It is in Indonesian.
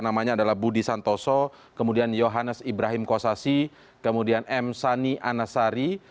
namanya adalah budi santoso kemudian johannes ibrahim kosasi kemudian m sani anasari